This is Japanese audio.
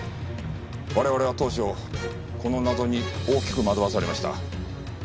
我々は当初この謎に大きく惑わされました。